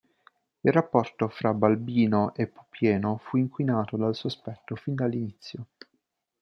Il rapporto fra Balbino e Pupieno fu inquinato dal sospetto fin dall'inizio.